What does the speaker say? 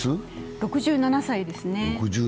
６７歳ですね。